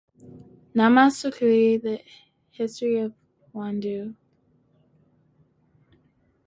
Namlasa chui imbiri ya w'andu.